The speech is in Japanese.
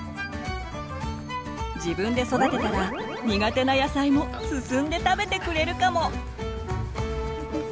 自分で育てたら苦手な野菜も進んで食べてくれるかも！